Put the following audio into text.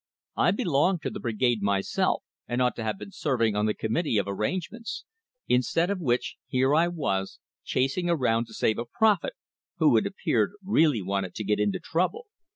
I belong to the Brigade myself, and ought to have been serving on the committee of arrangements; instead of which, here I was chasing around trying to save a prophet, who, it appeared, really wanted to get into trouble!